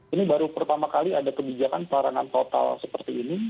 ini baru pertama kali ada kebijakan pelarangan total seperti ini